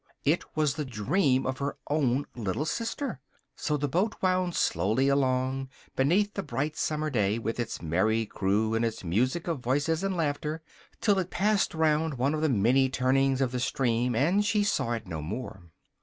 it was the dream of her own little sister. So the boat wound slowly along, beneath the bright summer day, with its merry crew and its music of voices and laughter, till it passed round one of the many turnings of the stream, and she saw it no more.